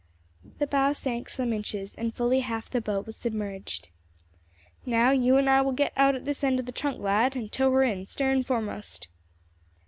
The bow sank some inches, and fully half the boat was submerged. "Now, you and I will get out at this end of the trunk, lad, and tow her in, stern foremost."